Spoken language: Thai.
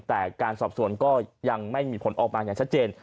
แต่การสอบสวนก็ยังไม่มีผลออกมาอย่างชัดเจน